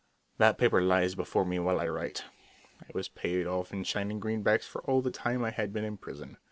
_" That paper lies before me while I write. I was paid off in shining greenbacks for all the time I had been in prison.